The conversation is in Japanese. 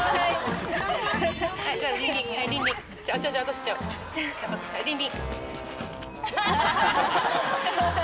リンリン。